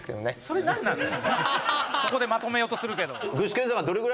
そこでまとめようとするけど。